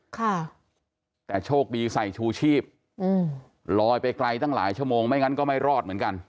ค่ะแต่โชคดีใส่ชูชีพอืมลอยไปไกลตั้งหลายชั่วโมงไม่งั้นก็ไม่รอดเหมือนกัน